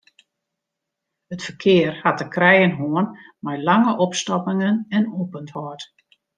It ferkear hat te krijen hân mei lange opstoppingen en opûnthâld.